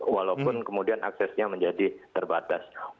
walaupun kemudian aksesnya menjadi terbatas